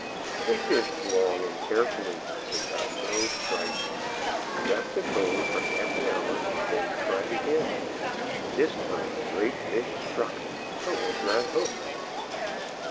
They fished long and carefully, but got no strike. They left the cove for half an hour, then tried again. This time the great fish struck, but was not hooked.